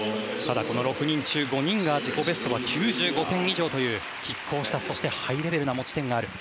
６人中５人が自己ベストが９５点以上という拮抗した、そしてハイレベルな持ち点がある。